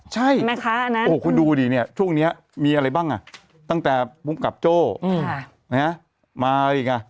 ใช่คุณดูดินี่ช่วงนี้มีอะไรบ้างน่ะตั้งแต่ปุ๊บกับโจ้นะฮะมาอะไรอีกน่ะ